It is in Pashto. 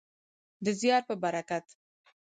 د زیار په برکت.